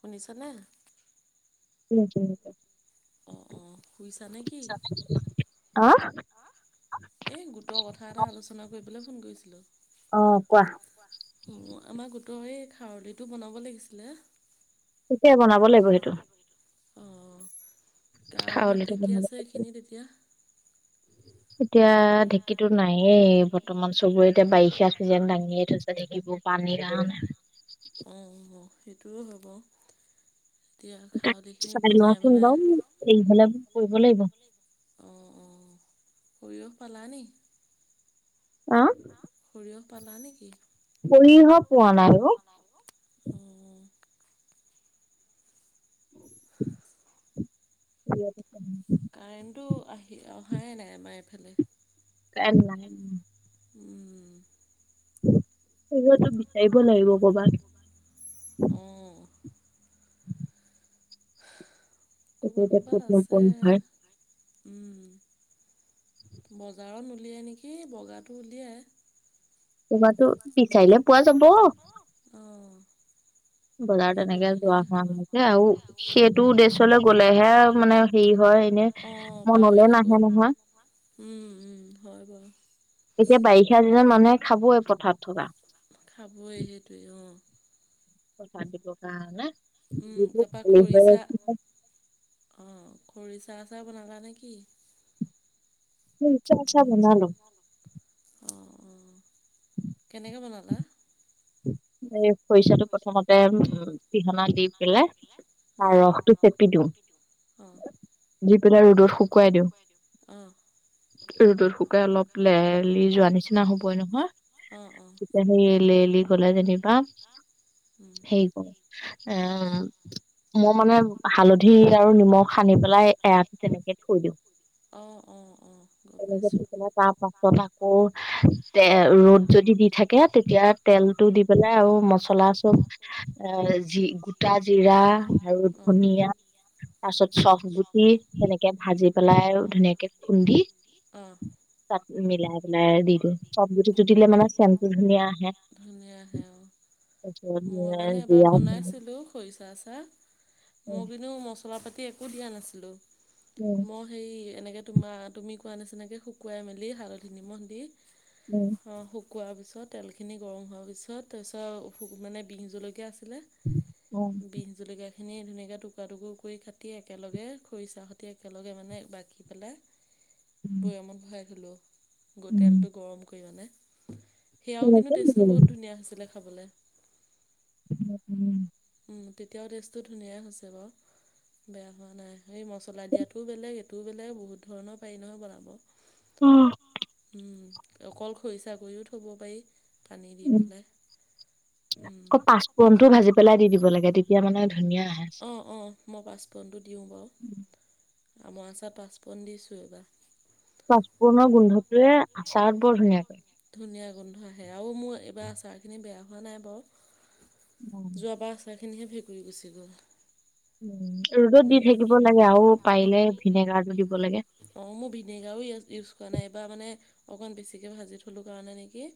শুনিছানে? [unintelligible] অ-অ শুইছা নে কি? অহ? এই গোটৰ কথা এটা আলোচনা কৰিবলৈ ফোন কৰিছিলো। অ কোৱা। অ আমাৰ গোটৰ এই খাৰলিটো বনাব লাগিছিলে। ঠিকে বনাব লাগিব সেইটো। অ, কাৰ ঘৰত ঢেঁকী আছে এইখিনিত এতিয়া? এতিয়া ঢেঁকীতো নায়েই। বৰ্তমান চবৰে এতিয়া বাৰিষা চিজন দাঙিয়ে থৈছে ঢেঁকীবোৰ। পানীৰ কাৰণে। অ, অ সেইটোও হ'ব। এতিয়া খাৰলিখিনি বনাই পেলাই এইফালে কৰিব লাগিব। অ-অ সৰিয়হ পালানি? অ? সৰিয়হ পালা নেকি? সৰিহ পোৱা নাই অ। অ। [unintelligible] কাৰেণ্টটো আহি অহাই নাই আমাৰ এইফালে। কাৰেণ্ট নাই। উম। সৰিয়হটো বিচাৰিব লাগিব কবাত। অ। কবাত-কবাত আছে। উম, বজাৰত নুলিয়াই নেকি? বগাটো ওলিয়াই। বগাটো বিচাৰিলে পোৱা যাব। অ। এনেই সুধিলে, [unintelligible] সেই আও সেইটো উদ্দেশ্যলৈ গলেহে মানে হেৰি হয়। অ পাহৰি থাকো। উম, উম হয় বাৰু। এতিয়া বাৰিষা দিনত মানুহে খাবই পথাৰত থকা। খাবই সেইটোৱেই অ। [unintelligible] অ খৰিচা আচাৰ বনালা নে কি? [unintelligible] অ অ কেনেকে বনালা। এই খৰিচাটো প্ৰথমতে উম [unintelligible] অ, পিহনাত, [unintelligible] অ। দি পেলাই ৰ'দত শুকুৱাই দিওঁ, অ। ৰদত শুকাই অলপ লেৰেলি যোৱা নিচিনা হবই নহয়। সেই লেৰেলি গলে যেনিবা সেই কৰো এ মই মানে হালধি আৰু নিমখ সানি পেলাই এৰাতি তেনেকে থৈ দিওঁ। অ অ অ গম পাইছোঁ। তাৰ পাছত আকৌ তে ৰ'দ যদি দি থাকে তেতিয়া তেলটো দি। পেলাই আৰু মচলা চব এ জি গোটা জিৰা আৰু ধুনীয়া, তাৰ পিছত চফ গুটি তেনেকে ভাজি পেলাই আৰু ধুনীয়াকে খুন্দি, অ, তাত মিলাই পেলাই দি দিওঁ চফ গুটিটো দিলে মানে চেনটো ধুনীয়া আহে। ধুনীয়া আহে অ, মই মানে এবাৰ বনাইছিলো খৰিচা আচাৰ মোৰ কিন্তু। মচলা পাতি একো দিয়া নাছিলোঁ। সেই এনেকে তোমাৰ তুমি কোৱা নিচিনাকে শুকুৱাই মেলি হালধি নিমখ দি। অও, অ শুকোৱাৰ পিছত তেলখিনি গৰম হোৱাৰ পিছত তাৰপিছত মানে বিহ জলকীয়া আছিলে। বিহ জলকীয়া ধুনীয়া ধুনীয়াকৈ টুকুৰা টুকুৰ কৰি কাটি একেলগে খৰিচাৰ সৈতি একেলগে মানে বাকি পেলাই। বৈয়ামত ভৰাই থলো গ তেলটো গৰম কৰি মানে। সেয়াও কিন্তু টেষ্টটো বহুত ধুনীয়া হৈছিলে খাবলে। উ উম, উম তেতিয়াও টেছটো ধুনীয়াই হৈছে বাও। বেয়া হোৱা নাই সেই মছলা দিয়াটোও বেলেগ এইটোও বেলেগ বহুত ধৰণৰ পাৰি নহয় বনাব। উম অকল খৰিচা কৰিও থব পাৰি। পানী দি পেলাই। উম পাছ ফোৰনটো ভাজি পেলাই দি দিব লাগে অ অ, মই পাঁচফোৰণটো দিওঁ বাৰু আমৰ আচাৰ পাঁচফোৰণ দিছোঁ এইবাৰ। পাচফোৰণৰ গোন্ধটোৱে আচাৰত বৰ ধুনীয়া কৰে। ধুনীয়া গোন্ধ আহে আৰু মোৰ এইবাৰ আচাৰ খিনি বেয়া হোৱা নাই বাৰু যোৱাবাৰ আচাৰখিনিহে ভেঁকুৰি গুচি গ'ল। উ ৰ'দত দি থাকিব লাগে আৰু পাৰিলে ভিনেগাৰটো দিব লাগে। অ মোৰ ভিনেগাৰো ইউজ কৰা নাই এই বাৰ মানে, অকন বেছিকে ভাজি থলো কাৰণে নেকি।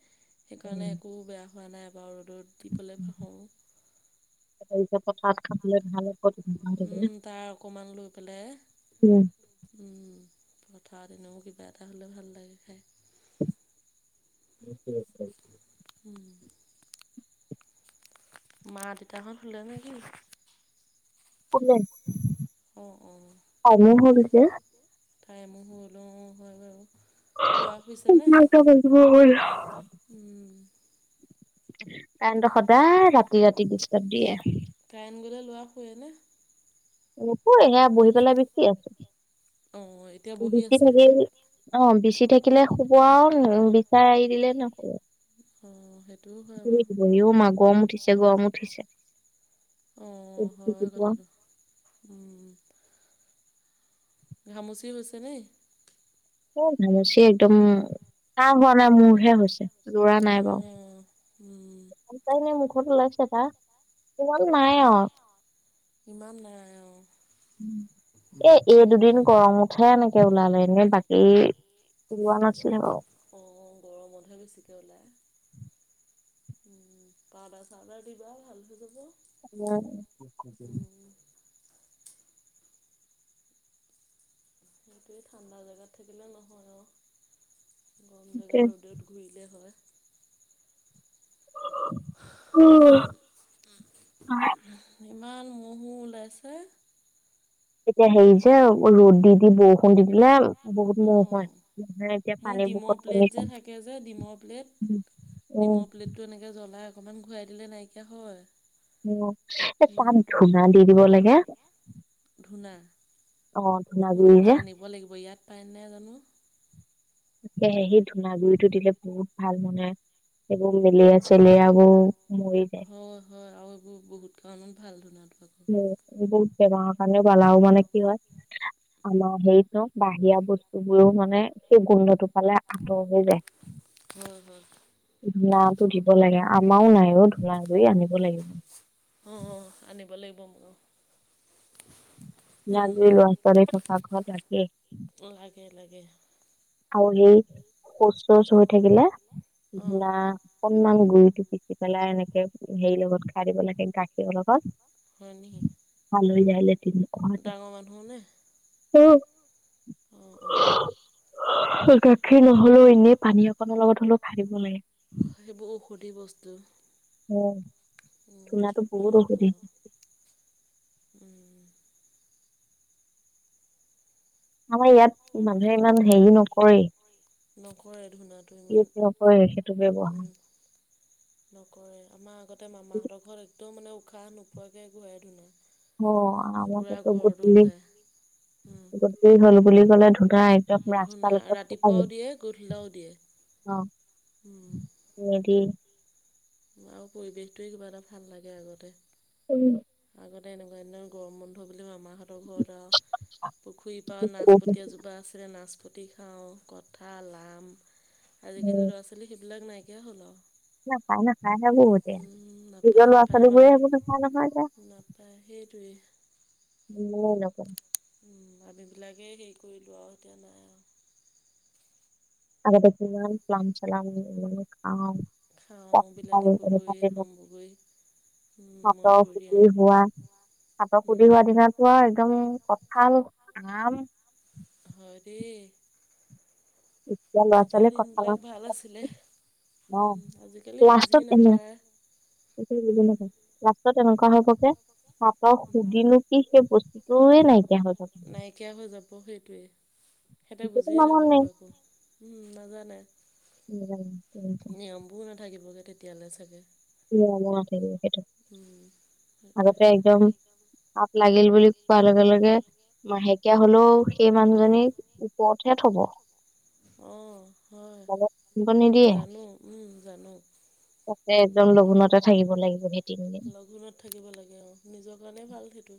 সেইকাৰণে একো বেয়া হোৱা নাই বাৰু ৰ'দত দিবলৈ পাহৰোঁ। [unintelligible] পথাৰত খাবলে ভাল। উম তাৰ অকণমান লৈ পেলাই। ওম, উম পথাৰত এনেও কিবা এটা হ'লে ভাল লাগে খাই। [unintelligible] উম, মা দেউতাহত শুলে নে কি। কোনে। অ অ ঠাই মো হলও আহ হয় বাৰু লোৱা হৈছে নে উম, কাৰেণতো সদায় ৰাতি ৰাতি ডিষ্টাৰ্ব দিয়ে। কাৰেণ গ'লে ল'ৰা শুৱে নে? নোশুৱে এয়া বহি পেলাই বিচি আছো বিচি থাকি অ, বিচি থাকিলে শুব আওঁ বিচা এৰি দিলে নোশুৱে। [unintelligible] সেইটোও হয় বাও। আইও মা গৰম উঠিছে গৰম উঠিছে। অ হয় এই কথাটো উম, ঘামুচি হৈছেনি। এই ঘামুচি একদম তা হোৱা নাই মোৰহে হৈছে লৰা নাই বাও, উম, তাই এনে [unintelligible] বা টোপনি নাই আও। উম, এ এই দুদিন গৰমতহে এনেকে ওলালে এনেই বাকী ওলোৱা নাছিলে বাও। অ, গৰমতহে বেছিকে উলাই। উম, পাউদাৰ - চাউদাৰ দিবা ভাল হৈ যাব। ওৱান, সেইটোৱে ঠাণ্ডা জেগাত থাকিলে নহয় অ, গৰম জেগা ৰ'দে ঘূৰিলে হয়। [unintelligible] ইমান মহো ওলাইছে। এতিয়া হেই যে ৰ'দ দি- দি বৰষুণ দি দিলেম বহুত মহ হয় [unintelligible] এতিয়া পানী বুকত [unintelligible] ডিমৰ প্লেটটো এনেকে জ্বলাই অকমান ঘূৰাই দিলে নাইকিয়া হয়। উম, তাত ধূনা দি দিব লাগে ধূনা মোৰ ধূনা আনিব লাগিব ইয়াত পাই নাই জানো তাকে সেই ধূনা গুৰিটো দিলে বহুত ভাল মানে এইবোৰ মেলেৰিয়া -চেলেৰিয়া বোৰ হয় -হয় আৰু এইবোৰ বহুত কাৰণত ভাল ধূনাটো। বহুত বেমাৰৰ কাৰণে বানাও মানে কি হয় [inaudible] আমাৰ হেৰিতো বাহিৰা বস্তুবোৰো মানে সেই গোন্ধটো পালে আঁতৰ হৈ যায়। হয়- হয়। ধূনাটো দিব লাগে আমাও নাইও ধূনা গুৰি আনিব লাগিব। অ', অ', আনিব লাগিব মইয়ো। লাগেই লৰা- ছোৱালী থকা ঘৰত লাগে। আৰু সেই শৌচ - চৌচ হৈ থাকিলে ধূনা অকনমান গুৰিটো পিচি পেলাই এনেকে হেৰি লগত খাই দিব লাগে গাখীৰৰ লগত। হয় নিহি? আলহী আহিলে [unintelligible] ডাঙৰ মানুহ নে? সৰু। অ', অ', গাখীৰ নহ'লেও এনেই পানী অকনৰ লগত হ'লেও খাই দিব লাগে। সেইবোৰ ঔষধি বস্তু। উম, উম, চবফালে ভাল আওঁ উম। আমাৰ ইয়াত মানুহে ইমান হেৰি নকৰেই। নকৰে ধুনাত ইউজ নকৰে সেইটোকে কোৱা। নকৰে আমাৰ আগতে মামাহঁতৰ ঘৰত একদম মানে উশাহ নোপোৱাকে ঘূৰাই ধূনা। পুৰা ঘৰটো ঘূৰাই। উম, ধূনা ৰাতিপুৱাও দিয়ে গধূলাও দিয়ে। অ', উম, [unintelligible] আৰু পৰিৱেশটোৱে কিবা এটা ভাল লাগে আগতে। উম, আগতে এনেকুৱা দিনত গৰম বন্ধ বুলি মামা হত হতৰ ঘৰত আও পুখুৰীৰ পাৰত নাচপতি এজোপা আছিলে নাচপতি টি খাওঁ কঠাল, আম, আজিকালি ল'ৰা- ছোৱালী সেইবিলাক নাইকিয়া হ'ল আওঁ। নাখায় - নাখায় সেইবোদ। নিজৰ লৰা ছোৱালীবোৰে সেইবোৰ নাখায় নহয় এতিয়া। নাখায় [unintelligible] উম, আমি বিলাকে হেৰি কৰিলো আৰু এতিয়া নাই আৰু। আগতে কিমান প্লাম শ্লাম, আনি-আনি খাও। [unintelligible] সাতৰ খুটি হোৱা সাতৰ খুটি হোৱা দিনত। কোৱা একদম কঠাল আম হয় দেই। তেতিয়া দিনবিলাক ভাল আছিলে। উম, আজিকালি বুজি নাপায়। লাষ্টত এনেকুৱা হবকে চাতৰ সুধিলো কি সেই বস্তু নাইকিয়া হৈ যাব সেইটোৱে। সিহঁতে বুজিয়ে নাপাব একো উম, নাজানে। অ', কোনো নাথাকিবগে তেতিয়ালৈ চাগে। থাকিব সেইটো আগতে একদম। তাপ লাগিল বুলি কোৱাৰ লগে - লগে মাহেকীয়া হলেও সেই মানুহজনী ওপৰতহে থব। অ, হয়, জানো উম, জানো। তাতে একদম লঘুণতে থাকিব লাগিব সেই লঘোণত থাকিব লাগে আৰু নিজৰ কাৰণে ভাল সেইটো।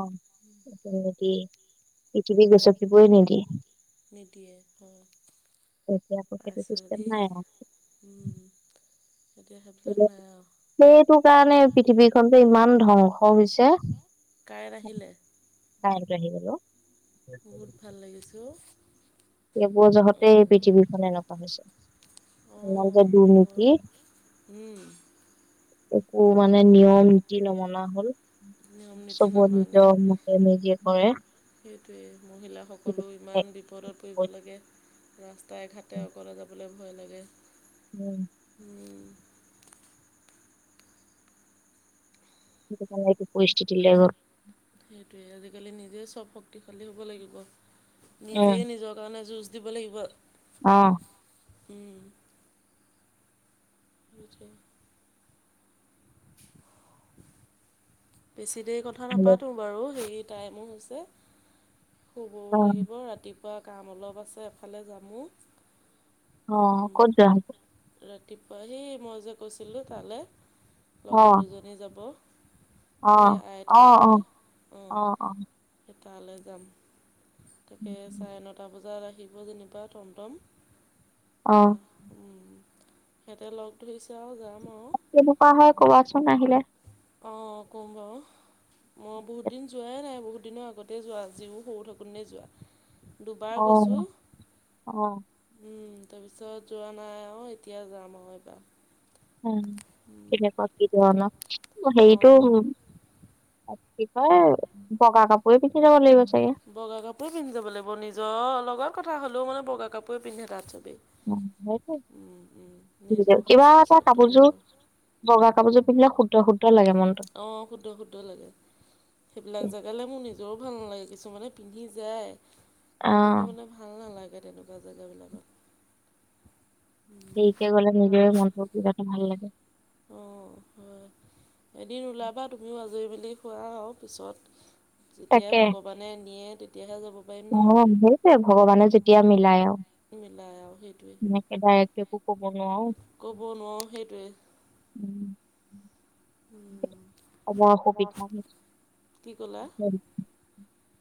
অ, সেই নিদিয়ে পৃথিৱী গচকিবই নিদিয়ে। নিদিয়ে অ, পাইছ দেই। উম, এতিয়া সেইবিলাক নাই আৰু। সেইটো কাৰণে পৃথিৱীখনতো ইমান ধ্বংস হৈছে। কাৰেন্ট আহিলে। কাৰেন্টটো আহি যাব। বহুত ভাল লাগিছে অ, এইবোৰ জহতেই পৃথিৱীখন এনেকুৱা হৈছে। ইমান যে দুৰ্নীতি। একো মানে নিয়ম নীতি নমনা হল চব নিজৰতে নিজে হয়। সেইটোৱে, মহিলাসকলো ইমান বিপদত কৰিব লাগে, ৰাস্তা ঘাটে অকলে যাবলৈ ভয় লাগে। উম, উম, এটো পৰিইচথিতি লে অ, [unintelligible] সেইটোৱে আজিকালি নিজেই চব শক্তিশালী হ'ব লাগিব, নিজেই নিজৰ কাৰণে যুঁজ যুৱ দিব লাগিব। অ', উম, সেইটোৱেই। [inaudible] বেছি দেৰি কথা নাপাতো বাৰু! হেৰি, টাইমো হৈছে। শুবও লাগিব, ৰাতিপুৱা কাম অলপ আছে। এফালে যামো। উম, ৰাতিপুৱাহি মই যে কৈছিলোঁ তালে লগৰ দুজনী যাব, সেই আই থানলৈ অ, তে তালৈ যাম তাকে চাৰে নত এটা বজাত আহিব যেনিবা টমটম আ উম, সিহঁতে লগ ধৰিছে আৰু যাম আৰু। অ' ক'ম বাৰু! মই বহুত দিন যোৱাই নাই বহুত দিনৰ আগত তে যোৱা, জীও সৰু থাকোঁতেই যোৱা। দুবাৰ গৈছোঁ। উম, তাৰপিছত যোৱা নাই। অ' এতিয়া যাম আৰু এইবাৰ। উম, কেনেকুৱা কি ধৰনৰ? হেৰিটো কি কয়, বগা কাপোৰে পিন্ধি যাব লাগিব চাগে! বগা কাপোৰে পিন্ধি যাব লাগিব, নিজৰ লগত কথা। হ'লেও মানে বগা কাপোৰে পিন্ধে তাত চবেই। উম উম, নিজৰ সাজ-পোছাকটো নিজৰ কথা। বগা কাপোৰযোৰ পিন্ধিলে শুদ্ধ-শুদ্ধ লাগে মনটো। অ' শুদ্ধ শুদ্ধ লাগে। সেইবিলাক জেগালৈ মোৰ নিজৰো ভাল নালাগে, কিছুমানে পিন্ধি যায়। কিন্তু মানে ভাল নালাগে, তেনেকুৱা জেগাবিলাকত। উম সিকেই গ'লে মানে কিবাটা ভাল লাগে। অ' হয়। এদিন ওলাবা তুমিও আজৰি মেলি হোৱা আৰু পিছত যেতিয়াই ভগৱানে নিয়ে, তেতিয়াহে যাব। অ' সেইটোৱেই, ভগৱানে যেতিয়া মিলাই আৰু। মিলাই আৰু, সেইটোৱেই। এবাৰ একো ক'ব নোৱাৰো। সময়-সুবিধা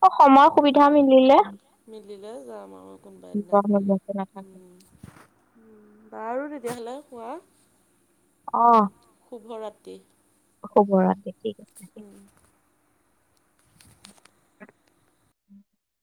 অ' সময়- সুবিধা মিলিলে। মিলিলে যাম আৰু কোনোবাদিনা। বাৰু তেতিয়াহলে শুৱা। উম, শুভৰাত্ৰি। শুভৰাত্ৰি, ঠিক আছে। উম। [inaudible]